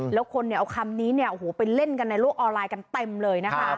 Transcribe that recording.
แล้วคนเอาคำนี้เนี่ยโอ้โหไปเล่นกันในโลกออนไลน์กันเต็มเลยนะคะ